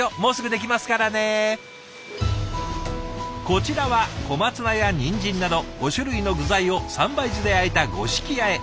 こちらは小松菜やニンジンなど５種類の具材を三杯酢であえた五色あえ。